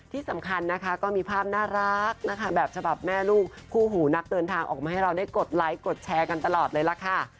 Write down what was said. ที่สำคัญนะคะก็มีภาพน่ารักนะคะแบบฉบับแม่ลูกคู่หูนักเดินทางออกมาให้เราได้กดไลค์กดแชร์กันตลอดเลยล่ะค่ะ